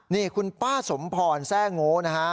นี่คุณป้าสมพรแซ่โง่นะฮะ